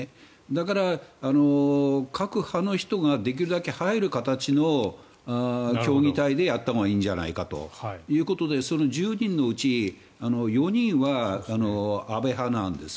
だから、各派の人ができるだけ入る形の協議体でやったほうがいいんじゃないかということでその１０人のうち４人は安倍派なんです。